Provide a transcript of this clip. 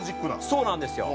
そうなんですよ。